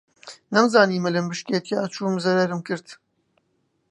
نەمزانی ملم بشکێ تیا چووم زەرەرم کرد